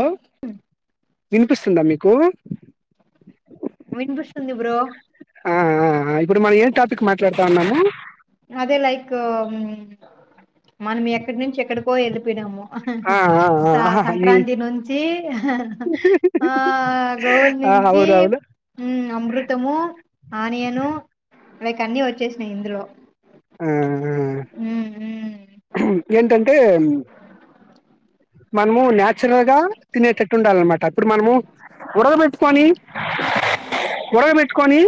Hello వినిపిస్తుందా మీకు విన్పిస్తుంది బ్రో ఆ ఆ ఆ ఇప్పుడు మనం ఏం టాపిక్ మాట్లాడుతా ఉన్నాము. అదే లైకు ఉం మనం ఎక్కడి నుంచి ఎక్కడికో వెళ్ళిపోయిన్నాము ఆ ఆ ఆ ఆహా ఇది సంక్రాంతి నుంచి, ఆ గోల్ ఆ నుంచి అవును అవును హమ్ అమృతము, ఆనియను ఇక అన్ని వచ్చేసి నాయ్ ఇందులో ఆమ్ ఆ మ్, మ్. ఏంటంటే. అ [unintelligible] మనము న్యాచురల్ గా తినేటట్టు ఉండాలిన్నమాట. ఇప్పుడు మనము ఉడక పెట్టుకొని ఉడక పెట్టుకొని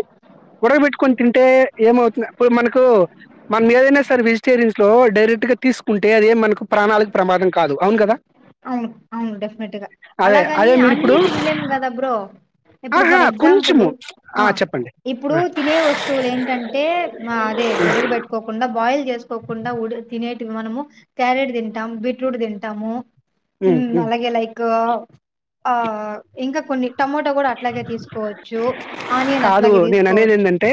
ఉడగబెట్టుకొని తింటే ఏమవుతుంది. ఇప్పుడు మనకు మన ఏదైనా సరే వెజిటేరియన్స్ లో డైరెక్ట్ గా తీసుకుంటే అది మనకు ప్రాణాలకు ప్రమాదం కాదు అవును కదా. అవును అవును డెఫినెట్ గా అదే అలాగని అదే మీరు అన్ని ఇప్పుడు తినలేము కదా బ్రో. ఇప్పుడు ఆహా ఫర్ ఎగ్జాంపుల్ కొంచెము ఆ చెప్పండి ఇప్పుడు ఆ తినే వస్తువులు ఏంటంటే మా అదే ఉడగబెట్టుకోకుండా బాయిల్ చేస్త చేసుకోకుండా తినేటివి మనము క్యారెట్ తింటాము బీట్రూట్ తింటాము. ఉ ఉ అలాగే లైక్ ఆ ఇంకా కొన్ని టమోటో కూడా అట్లాగే తీసుకోవచ్చు. ఆనియన్ కాదు అట్లాగే నేను అనేది తీసుకోవచ్చు. ఏంటంటే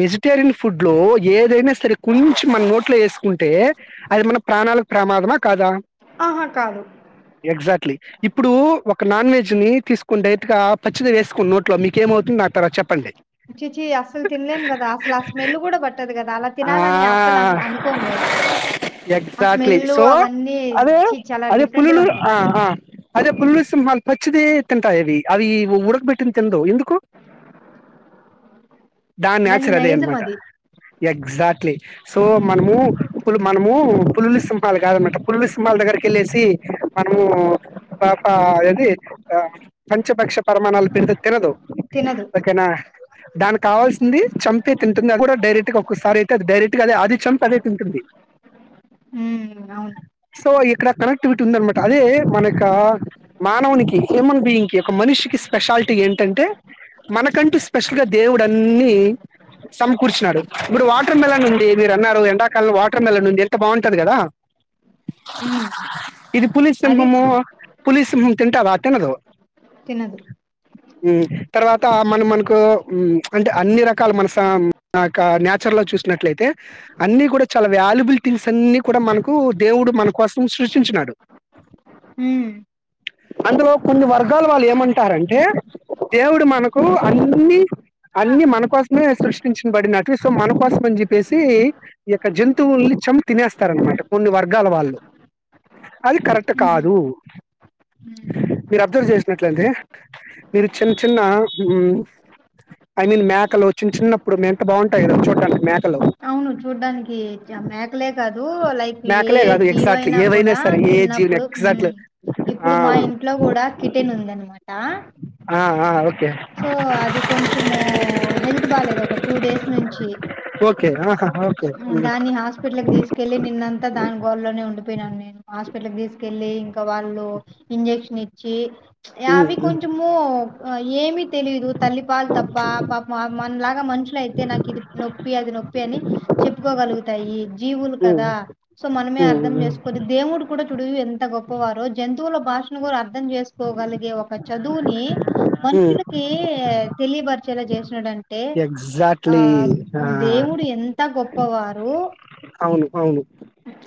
వెజిటేరియన్ ఫుడ్ లో ఏదైనా సరే కొంచెం మనం నోట్లో వేసుకున్ కుంటె అది మన ప్రాణాలకు ప్రమాదమా కాదా ఆహా కాదు ఎగ్జాక్ట్లీ. ఇప్పుడు ఒక నాన్ వెజ్ ని తీసుకుంటె ఇంకా పచ్చిదే వేసుకుని నోట్లో మీకేమవుతుంది ఆ తర్వాత చెప్పండి. చి చి అసలు తినలేం కదా అసలు ఆ స్మెల్ కూడా పట్టదు కదా అలా తినాలని అసలు అ అనుకోము కదా. రా ఎక్సాక్ట్లీ సో అదే చి చాలా అదే డిఫరెంట్ గా పులులు ఉంటాయి ఆ ఆ అదే పుల్లులు సింహాలు పచ్చిదే తింటాయివి అవి ఉడకబెట్టింది తినదు. ఎందు [unintelligible] దాని దాన్ని నేచర్ అదే అన్న నైజం మాట. అది ఎగ్జాక్ట్లీ సో మ్మ్ మనము మనము పుల్లి సింహాలు కాదన్నమాట పులలు సింహ వాళ్ళ దగ్గరిక వెళ్ళసి మనము పాప అది పంచపక్ష పరమాణాలు పెట్టిన తినదు తినదు ఓకేనా దానికి కావాల్సింది చంపి తింటుంది అది కూడా డైరెక్ట్ ఒక్కసారిఅయితే డైరెక్ట్ గా అది చంపి అదే తింటుంది మ్మ్ అవును సో ఇక్కడ కనెక్టివిటీ ఉందనమాట అదే మన యొక్క మానవునికి హ్యూమన్ బీయింగ్ ఈ యో ఒక్క మనిషికి స్పెషాలిటీ ఏంటంటే మనకంటూ స్పెషల్ గా దేవుడు ఆన్ని సమకూర్చన్నాడు ఇప్పుడు వాటర్ మెలన్ ఉంది మీరు అన్నారు ఎండాకాలం వాటర్ మెలన్ ఉంది ఎంత బాగుంటది కదా హ్మ్ ఇది పులీస్ సింహము పులీస్ తింటావా తిన్నాదూ తినదు మ్.. తర్వాత మన మనకు అంటే అన్ని రకాలు మనసా కా నాచురల్ చు చూసినట్లయితే అన్ని కూడా చాలా వాల్యుబుల్ థింగ్స్ అన్ని కూడా మనకు దేవుడు మన కోసం సృష్టించినడు ఊ అందులో కొన్ని వర్గాలు వాళ్ళు ఏమంటారంటే దేవుడు మనకు అన్నీ అన్ని మన కోసమే సృష్టించబడినటివి సో మన కోసం అని చెప్పేసి ఈ యొక్క జంతువుల్ని కొంచెం తినేస్తార అనమాట కొన్ని వర్గాల వాళ్ళు అది కరెక్ట్ మ్హు కాదు మ్మ్ మీరు అబ్జర్వ్ చేస నేట్లడది మీరు చిన్న చిన్న ఐ మీన్ మేకలు చిన్న చిన్నప్పుడు యంత బాగుంటాయి కదా చూడడానికి మేకలు అవును చూడ్డానికి మాక్ లే కాదు లైక్ ఏ మేకలే కాదు జీవ ఎగ్జాక్ట్లీ అయినా ఏవైనా కూడా సరే ఏ జీవన చిన్నప్పుడు.. ఎగ్జాక్ట్లీ ఇప్పుడు మా ఇంట్లో కూడా కిటెన్ ఉందనమాట ఆ ఆ సో అది కొంచము హెల్త్ బాలేదు ఒక టూ డేస్ నుంచి ఒకే నాక హోం దాన్ని హాస్పిటల్ కి తీసుకెళ్ళి నిన్నంతా దాని గోలా లోనే ఉండిపోయినాను నేను హాస్పి హాస్పిటల్ కి తీసుకెళ్ళి ఇంకా వాళ్ళు ఇంజెక్షన్ ఇచ్చి అవి కొంచము ఏమి తెలీదు తల్లి పాలు తప్ప పాప మనలాగా మనుషులు అయితే నాకు ఇది నొప్పి అది నొప్పి అని చెప్పుకోగలుగుతాయి జీవులు కదా సో మనమే అర్థం ఓకే చేసుకుని దేవుడు కూడా చుడువు ఎంత గౌ పోవారు జతువుల భాషను కూడా అర్థం చేసుకోగలిగే ఒక చదువుని మనుషులకి తెలియబరుచ చాలా చేసినాడంటే ఆ ఎగ్జాక్ట్లీ ఆ! దేవుడు ఎంత గొప్పవారు అవును అవును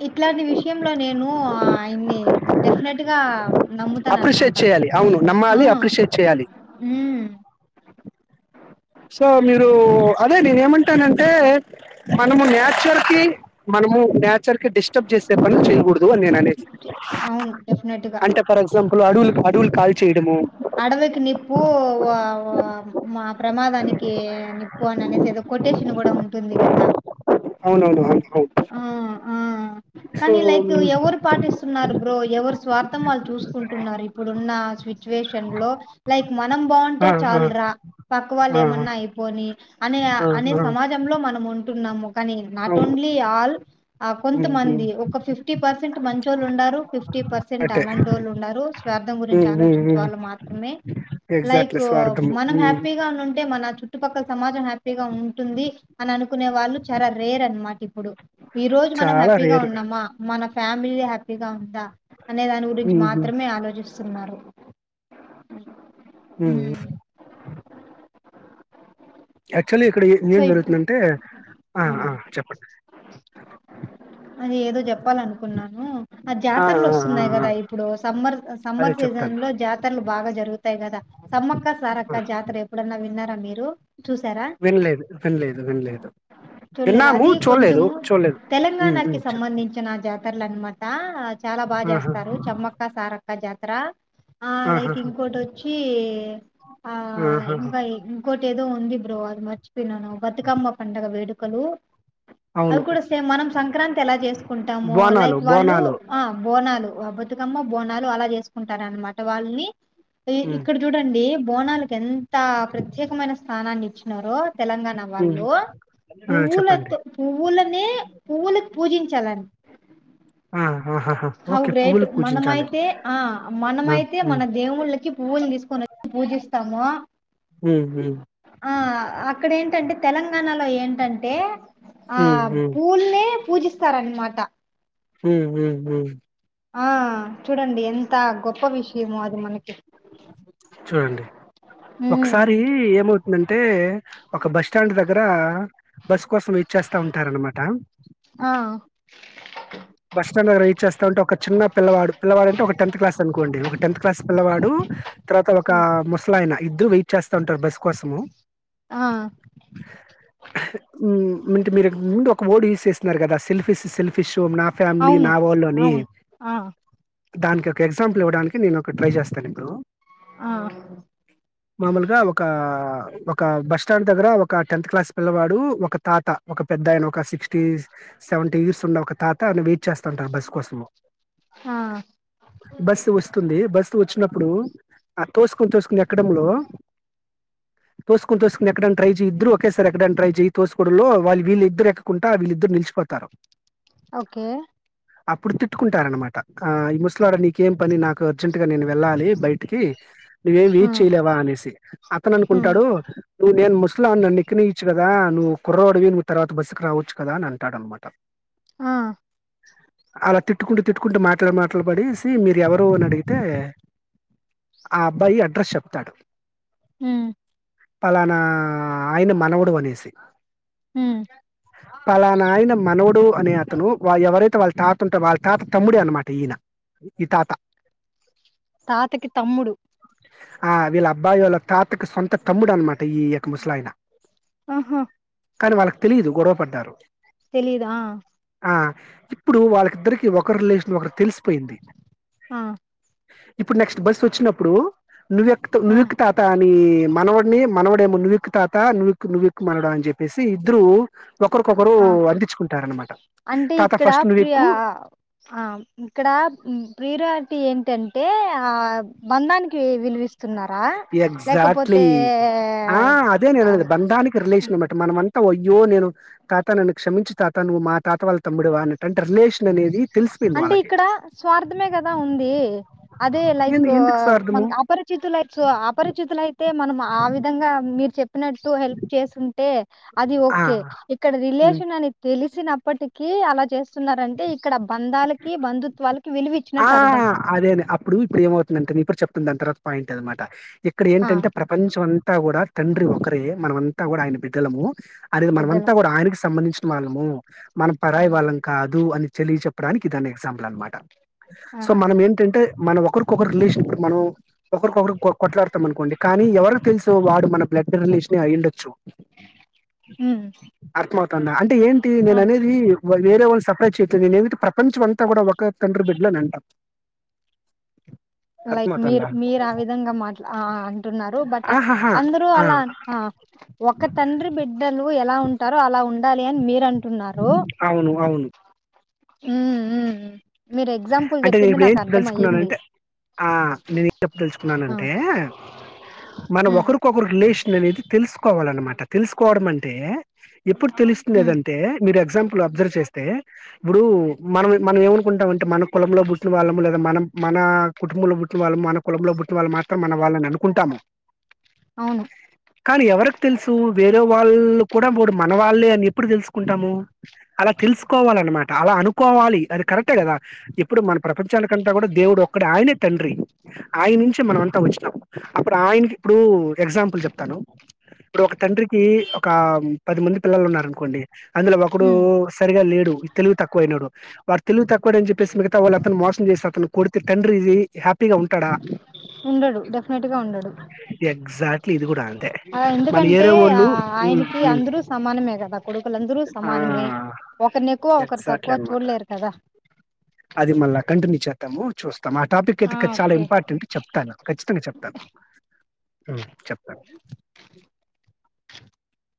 ఇట్లాంటి విషయంలో నేను ఆయన్ని డెఫినెట్గా నమ్ముతాన అప్రిషియేట్ అనమాట చేయాలి. అవును. ఆ నమ్మాలి అప్రిషియేట్ చేయాలి ఉమ్ సో మీరు అదే నేను ఏమంటానంటే మనము నాచర్ కి మన మునము నాచర్ కి డిస్టర్బ్ చేసే పని చేయకూడదు అని నేను అనేది అవును డెఫినెట్ గా అంటే ఫర్ ఎగ్జాంపుల్ అడవులు అడవులు కాల్ చేయడంము అడవకి నిప్పు వ వ మా ప్రమాదానికి నిప్పు అని అనేసి ఏదో కొటేషన్ కూడా ఉంటుంది కదా అవునవును. అవును. అవును. ఆ ఆ సో కానీ లైక్ ఎవరు పాటిస్తున్నారు బ్రో ఎవరు స్వార్థం వాళ్ళు చూసుకుంటున్నారు ఇప్పుడున్న సిచ్యువేషన్ లో లైక్ మనం బాగుంటే ఆ! ఆ! చాలు రా పక్క వాళ్ళు ఆ! ఏమన్నా అయిపోని అనే ఆ! అనే ఆ! సమాజంలో మనం ఉంట కానీ నాట్ అవును. ఓన్లీ ఆల్ హ్మ్. హ్మ్. కొంతమంది ఒక ఫిఫ్టీ పర్సెంట్ మంచోళ్ళు ఉండారు ఫిఫ్టీ ఫిఫ్టీ పర్సెంట్ అటే. అలాంటోళు ఉన్నారు స్వార్థం గురించి హ్మ్. ఆలోచించ [inaudible] లైక్ స్వార్థము. మనం హ్మ్. హ్యాపీగా ఉన్నుంటే మన చుట్టుపక్కల సమాజం హ్యాపీగా ఉంటుంది అని అనుకు నే వాళ్ళు చారా రేర్ అనమాట ఇప్పుడు ఈ రోజు మనం చాలా హ్యాపీగా రేర్. ఉన్నామా మన ఫ్యామిలీ హ్యాపీగా ఉందా అనే దాని గురించి హుహు. మాత్రమే ఆలోచిస్తున్నారు హ్మ హ్మ్. యాక్చువలీ ఇక్కడ సో ఏం ఇప్పుడు జరుగుతుందంటే ఆ హ్మ్. హా చెప్పండి అది ఏదో చెప్పాలనుకున్నాను ఆ జాతరలు ఆ ఆ వస్తున్నాయి ఆ కదా ఇప్పుడు సమ్మర్ అదే సమ్మర్ చెప్తాను సీజన్ లో జాతరలు బాగా జరుగుతాయి కదా సమ్మక్క ఆ సారక్క జాతర ఎప్పుడన్నా విన్నారా మీరు చూసారా? వినలేదు వినలేదు వినలేదు చులేద విన్నాము అది చూడలేదు కొంచము చూడలేదు ఉమ్ తెలంగాణకి ఉమ్ చెప్పు సంబంధించిన జాత తరలు అనమాట చాలా బాగా ఆహా చేస్తారు చెమ్మక్క సారక్క జాతర ఆ లైక్ ఆహాహా ఇంకోటి వచ్చి ఆ ఆహాహా ఇంకా ఇంకోటి ఏదో ఉంది బ్రో అది మర్చిపోయినాను బతుకమ్మ పండగ వేడుకలు అది అవును కూడా సేమ్ మనం సంక్రాంతి ఎలా చేసుకుంటాము బోనాలు లైక్ వాళ్ళు బోనాలు ఆ బోనాలు బతుకమ్మ బోనాలు అలా చేసుకుంటార అనమాట వాళ్ళని ఇ ఉమ్ ఇక్కడ చూడండి బోనాలకి ఎంత ప్రత్యేకమైన స్థానాన్ని ఇచ్చినారో తెలంగాణ ఉమ్ వాళ్ళు ఆ చెప్పండి పువ్వులతో పువ్వులనే పువ్వులకి పూజించ చలన్ ఆ ఆహాహా హౌ ఓకే గ్రైట్ పువ్వులు పూజించాలి మనమైతే ఆ ఆ మనమైతే ఉమ్ మన దేవుళ్ళకి పువ్వులు తీసుకొని పూజిస్తస్తాము హ్మ ఆ అక్కడ ఏంటంటే తెలంగాణలో ఏంటంటే ఆ ఉమ్ ఉమ్ పూల్నే పూజిస్తారన్నమాట హ్మ హ్మ హ్మ ఆ చూడండి ఎంత గొప్ప విషయమో అది మనకి చూడండి ఒకసారి ఉమ్ ఏమవుతుందంటే ఒక బస్ స్టాండ్ దగ్గర బస్ స్ కోసం వెయిట్ చేస్తా ఉంటారనమాట ఆ బస్ స్టాండ్ దగ్గర వెయిట్ చేస్తాఉంటే ఒక చిన్న పిల్లవాడు పిల్లవాడు అంటే ఒక టెన్త్ క్లాస్ అనుకోండి ఒక టెన్త్ క్లాస్ పిల్లవాడు తర్వాత ఒక ఆ ముసలాయిన ఇద్దరు వెయిట్ చేస్తా ఉంటారు బస్ కోసము ఆ హ్మ ఇంత కు ముందు ము ఒక వర్డ్ యూస్ చేస్తున్నారు కదా సెల్ఫీస్ సెల్ఫీ షో ఫ్యామిలీ అవును నా వోలు అని అవును ఆ దానికి ఒక ఎగ్జాంపుల్ ఇవ్వడానికి నేను ఒక ట్రై చేస్తాను ఇప్పుడు ఆ మామూలుగా ఒక ఒక బస్ స్టాండ్ దగ్గర ఒక టెన్త్ క్లాస్ పిల్లవాడు ఒక తాత ఒక పెద్దయన ఒక సిక్స్టీ సెవెంటీ ఇయర్స్ ఉండ ఒక తాత్ త్ వెయిట్ చేస్తాంట బస్ కోసము ఆ బస్సు వస్తుంది బస్ వచ్చినప్పుడు ఆ తోసుకొని తోసుకొని ఎక్కడంలో తోసుకొని తోసుకొని ఎక్కడం ట్రైయి చే ఇద్దరు ఒకే సారే ఎక్కడం ట్రై చేయి తసుకోవడంలో వీళ్ళద్దరు ఎక్కకుంట వీళిద్దరు నిలిచిప పోతారు ఓకే అప్పుడు తిట్టుకుంటార అనమాట ఆ ఈ ముసలాడా నీకేం పని నాకు అర్జెంట్ గా నేను వెళ్ళాలి బయటికి నువ్వేం ఆ వెయిట్ చేయలేవా అనేసి అతను ఉమ్ అనుకుంటాడు నువవు నేను అలా నన్ను ఎక్కని ఇచ్చు కదా నువ్వుర్రోడివి నువ్వు తర్వా బస్సుకి రావచ్చు కదా అని అంటాడనమాట అ అలా తిట్టుకుంటూ తిట్టుకుంటూ మాట్లాడి మాట్లాబడేసి మీరు ఎవరు అని అడిగితే ఆ అబ్బాయి అడ్రస్ చెప్తాడు హ్మ్ పలానా ఆయన మనవుడు అనేసి ఉమ్ పలా నాయన మనవడు అని తను ఎవరైతే వాళ్ళ తాత ఉంటేో వాళ్ళ తాత తమ్ముడి అనమాట ఈయన ఈ తాత తాతకి తమ్ముడు ఆ వీళ్ళ అబ్బాయి వాళ్ళ తాతకు సొంత తమ్ముడు అనమాట ఈ యొక్క ముసలాయిన ఆహా కానీ వాళ్ళకి తెలీయదు గొడవ పడ్డారు తెలీదా ఆ ఇప్పుడు వాళ్ళకిద్దరికి ఒక రిలేషన్ ఒకరు తెలిసిపోయింది ఆ ఇప్పుడు నెక్స్ట్ బస్ వచ్చినప్పుడు నువక్ ఆ నువ్వుక్త తత అ న మనవాడిని మనవడేమో నువ్వుక్కు తాత నువ్క్ నువ్విక్ మనడు అని చెప్పేసి ఇద్దరు ఒకరికొకరు ఆ అందించుకుంటార అనమాట అంటే ఇక్కడ ప్రియా ఇక్కడ ప్రిరా టి ఏంటంటే ఆ బంధానికి విలువిస్త ఎగజాక్ట్లీ ఆ అదే నేనది ఆ బంధానికి రిలేషన్ అనన్నమాటటి మనంతా త అయ్యో నేను తాత నన్ను క్షమించు తాత నువ్వు మా తాత వాళ్ళ తమ్ముడువా అన్నట్టు అంటే రిలేషన్ అనేది తెలిసిపోయింది అంటే వాళ్ళకి ఇక్కడ స్వార్థమే కదా ఉంది అదే లైక్ ఎందు ఎందుకు మన స్వార్థము అపరిచితులై సో అపరిచితుల అయితే మనం ఆ విధంగా మీరు చెప్పినట్టు హెల్ప్ చేస్తుంటే అది ఆ ఓకే ఇక్కడ హ్మ్ రిలేషన్ అని తెలిసి వచ్చినప్పటిక అలా చేస్తున్నంటే ఇక్కడ బంధాలకి బంధుత్వాలకి విలువ ఆ ఇచ్చినట్టు అర్థం అదే అనే అప్పుడు ఇప్పుడు ఏమవుతుంది అంటే న ఇప్పుడు చెప్తుంది దా తర్వాత పాయింట్ అనమాట ఇక్కడ ఆ ఏంటంటే ప్రపంచం అంతా కూడా తండ్రి ఒకరే మనమంతా కూడా ఆయన బిడ్డలము అనేది బిడ్డలు మనమంతా కూడా ఆయనకి సంబంధించిన వాళ్ళము మనం పరాయి ఉమ్. వాళ్ళం కాదు అని తెలియ చెప్పడానికి ఇదాన్న ఎగ్జాంపుల్ అనమాట సో ఆహా మనం ఏంటంటే మనం ఒక ఒకరికొకరు రిలేషన్ ఇప్పుడు మనం ఒకరికొకరు కొట్లాడతాం అనుకోండి కానీ ఎవరు తెలుసు వాడు మన బ్లడ్ రిలేషన్ అయి ఉండొచ్చు హ అర్థమవుతుందా అంటే ఏంటి నేన అనేది వేరే వాళ్ళని సపరేట్ చేయట్లేదు నేనెంటంటే ప్రపంచం అంతా కూడా ఒక తండ్రి బిడ్డ ఇలా నంట లైక్ మీరు మీరు ఆ విధంగా మాట్లా అంటున్నారు బట్ ఆహాహా అందరు ఆ అలా ఒక తండ్రి బిడ్డ లు ఎలా ఉంటారో అలా ఉండాలి అని మీరంటున్నారు అవును అవును హ్మ్ అంటే నేను ఇప్పుడు ఏం తెలుసుకున్నానుంటే ఆ నేను ఏంచెప్పా ఆ తెలుసుకున్నానంటే మనం ఉమ్ ఒకరికొకరు రిలేషన్ అనేది తెలుసుకోవాలన్నమాట తెలుసుకోవడం అంటే అ ఎప్పుడు ఉమ్ తెలుస్తుందిదంటే మీరు ఎ ఎక్సమ్ప్లె అబ్జర్వ్ చేస్తే ఇప్పుడు మనం మనం ఏమనుకుంటాంంటే అ మన కులంలో పుటిన వాళ్ళము లేద మన మన కుటుంబంలోుట్న వాళ్ళ మన కులంలో బుటి వాళ్ళు మాత్రం మన వాళ్ళని అను కుంటామ అవును కానీ ఎవరికి తెలుసు వేరే వాళ్ళు కూడా మన వాళ్ళే అని ఎప్పుడు తెలుసుకుంటాము అలా తెలుసుకోవాలిన్నమాట అలా అనుకోవాలి అది కరెక్టే కదా ఇప్పుడు మన ప్రపంచాలకంతా కూడా దేవుడు ఒక్కడ ఆయనే తండ్రి ఆయన నుంచే మన అంతా వచ్చినాం అప్పుడు ఆయనకి ఇప్పుడు ఎగ్జాంపుల్ చెప్తాను ఇప్పుడు ఒక తండ్రికి ఒక పది మంది పిల్లలు ఉన్నారు అనుకోండి అందులో ఒకడు ఉమ్ సరిగా లేడు తెలుగు తక్కువయినాడు వాడు తెలుగు తక్కువ అని చెప్పసి మిగతా వాళ్ళుతను మోసం చేసి అతను కొడితే తండ్రి ఇ హ్యాపీగా ఉంటాడా ఉండడు డెఫినెట్గా ఉండడు ఎగ్జాక్ట్‌లీ ఇది కూడా ఎందుకంటే ఆయనకి హ్మ్. అందరూ సమానమే కదా కొడుకులందరూ ఆ! సమానమే ఒకరి ఎక్కువ ఒకరు ఎగ్జాక్ట్‌లీ తక్కువ అనమాట. చూడలేరు కదా అది మళ్ళా కంటిన్యూ చేద్దాము చూస్తు మా టాపిక్ అయితే ఆ కచ్చితంగా చాలా ఓకే ఇంపార్టెంట్ ఉంటే చెప్తాను ఖచ్చితంగా చెప్తాను ఊ చెప్పండి